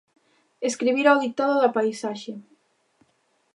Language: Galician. Escribir ao ditado da paisaxe.